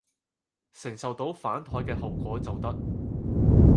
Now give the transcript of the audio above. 承受到反枱嘅後果就得